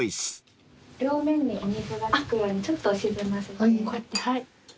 両面にお水が付くようにちょっと沈ませて。